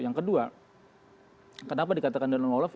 yang kedua kenapa dikatakan the lone wolf